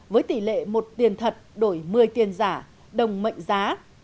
với tỷ lệ một tiền thật đổi một mươi tiền giả đồng mệnh giá